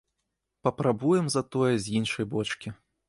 Папрабуем затое з іншай бочкі.